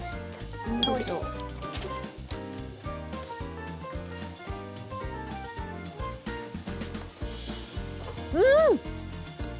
うん！